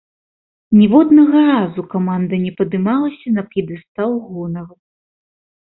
Ніводнага разу каманда не падымалася на п'едэстал гонару.